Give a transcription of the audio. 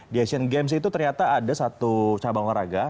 di asian games itu ternyata ada satu cabang olahraga